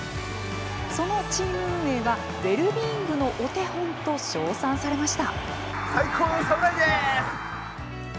そのチーム運営はウェルビーイングのお手本と称賛されました。